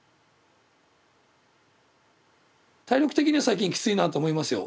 体力的には最近きついなと思いますよ。